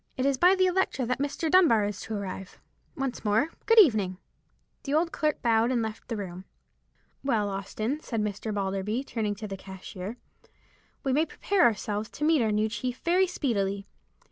It is by the Electra that Mr. Dunbar is to arrive. Once more, good evening!" The old clerk bowed and left the room. "Well, Austin," said Mr. Balderby, turning to the cashier, "we may prepare ourselves to meet our new chief very speedily.